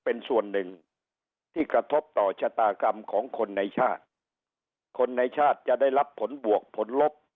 เป็นส่วนหนึ่งที่กระทบต่อชะตากรรมของคนในชาติคนในชาติจะได้รับผลบวกผลลบ